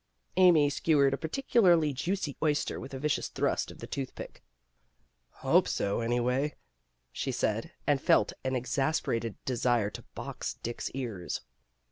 Amy skewered a particularly juicy oyster with a vicious thrust of the tooth pick. "Hope 224 PEGGY RAYMOND'S WAY so, anyway," she said, and felt an exasperated desire to box Dick's ears.